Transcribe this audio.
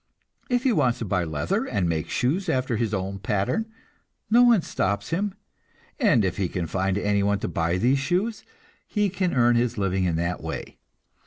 If he wants to buy leather and make shoes after his own pattern, no one stops him, and if he can find anyone to buy these shoes, he can earn his living in that way.